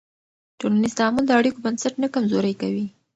ټولنیز تعامل د اړیکو بنسټ نه کمزوری کوي.